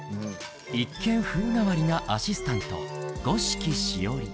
一見、風変わりなアシスタント五色しおり。